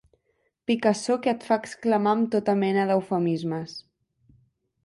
Picassor que et fa exclamar amb tota mena d'eufemismes.